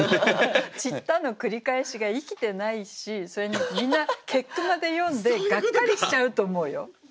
「散った」の繰り返しが生きてないしそれにみんな結句まで読んでがっかりしちゃうと思うよ。